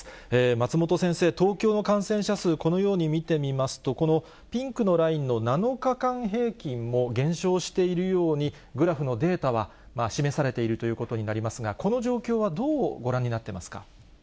松本先生、東京の感染者数、このように見てみますと、このピンクのラインの７日間平均も減少しているようにグラフのデータは示されているということになりますが、この状況はどうご覧になっていますか。